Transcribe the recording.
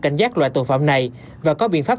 cảnh giác loại tội phạm này và có biện pháp